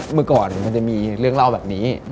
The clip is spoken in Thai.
เมื่อก่อนมันจะมีเรื่องเล่าแบบนี้